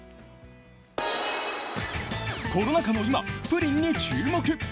コロナ禍の今、プリンに注目。